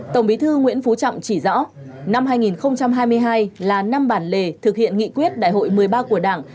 tổng bí thư nguyễn phú trọng chỉ rõ năm hai nghìn hai mươi hai là năm bản lề thực hiện nghị quyết đại hội một mươi ba của đảng